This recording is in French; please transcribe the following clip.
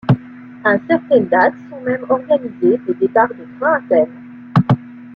À certaines dates sont même organisés des départs de trains à thème.